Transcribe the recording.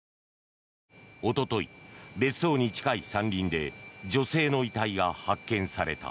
おととい、別荘に近い山林で女性の遺体が発見された。